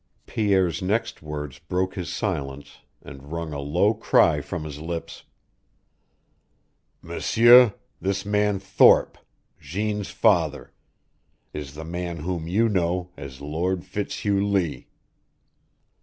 Pierre's next words broke his silence, and wrung a low cry from his lips. "M'sieur, this man Thorpe Jeanne's father is the man whom you know as Lord Fitzhugh Lee."